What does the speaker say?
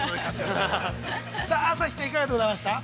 さあ朝日ちゃん、いかがでございましたか。